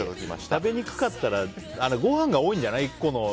食べにくかったらご飯が多いんじゃない？